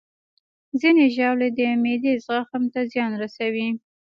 ځینې ژاولې د معدې زخم ته زیان رسوي.